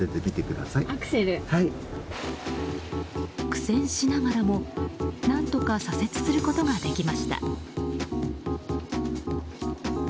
苦戦しながらも何とか左折することができました。